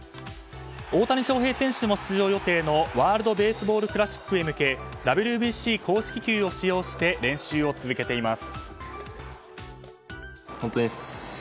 大谷翔平選手も出場予定のワールド・ベースボール・クラシックへ向けＷＢＣ公式球を使用して練習を続けています。